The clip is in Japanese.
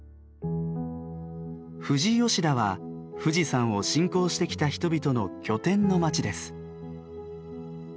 富士吉田は富士山を信仰してきた人々の拠点の町です。